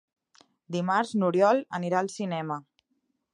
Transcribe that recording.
Dimarts n'Oriol anirà al cinema.